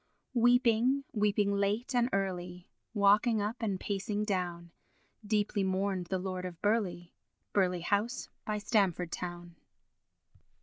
Weeping, weeping late and early, Walking up and pacing down, Deeply mourned the Lord of Burleigh, Burleigh house by Stamford town.